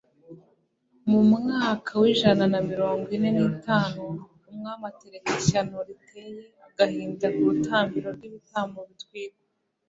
mu mwaka w'ijana na mirongo ine n'itanu, umwami atereka ishyano riteye agahinda ku rutambiro rw'ibitambo bitwikwa